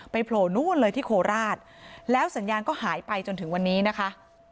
โผล่นู่นเลยที่โคราชแล้วสัญญาณก็หายไปจนถึงวันนี้นะคะ